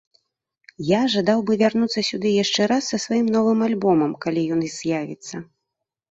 Я жадаў бы вярнуцца сюды яшчэ раз са сваім новым альбомам, калі ён з'явіцца.